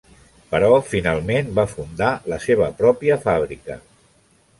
Però finalment va fundar la seva pròpia fàbrica.